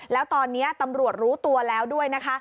แล้วตอนนี้ตำรวจรู้ตัวแล้วด้วยนะคะ